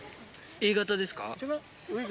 Ａ型ですか？